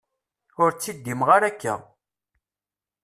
Ur ttiddimeɣ ara akka.